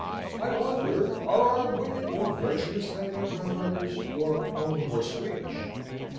I wonder, are our women more virtuous than their grandmothers, or only more squeamish?